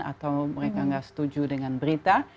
atau mereka nggak setuju dengan berita